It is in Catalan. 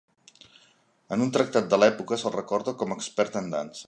En un tractat de l'època se'l recorda com expert en dansa.